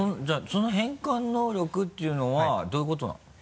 じゃあその変換能力っていうのはどういうことなの？